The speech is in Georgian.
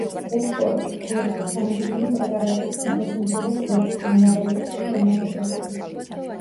ექსპორტი: თევზი; სამედიცინო პრეპარატები; მზესუმზირას ზეთი; სანელებლები; ხელნაკეთობები.